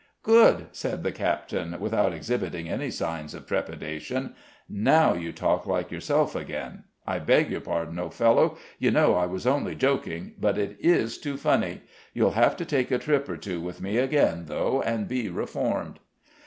"Good!" said the captain, without exhibiting any signs of trepidation. "Now you talk like yourself again. I beg your pardon, old fellow; you know I was only joking, but it is too funny. You'll have to take a trip or two with me again, though, and be reformed."